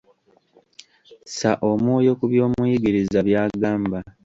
Ssa omwoyo ku by'omuyigiriza by'agamba.